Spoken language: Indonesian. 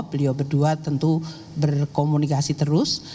beliau berdua tentu berkomunikasi terus